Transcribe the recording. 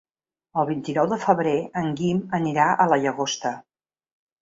El vint-i-nou de febrer en Guim anirà a la Llagosta.